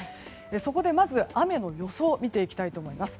そこでまず、雨の予想を見ていきたいと思います。